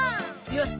よっ！